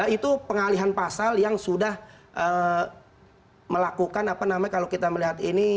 itu pengalihan pasal yang sudah melakukan apa namanya kalau kita melihat ini